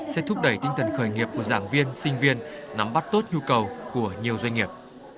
sẽ thúc đẩy tinh thần khởi nghiệp của giảng viên sinh viên nắm bắt tốt nhu cầu của nhiều doanh nghiệp